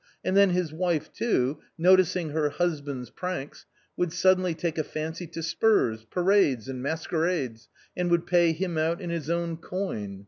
And then his wife too, noticing her husband's pranks, would suddenly take a fancy to spurs, parades and masquerades, and would pay him out in his own coin